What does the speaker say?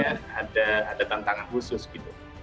ada tantangan khusus gitu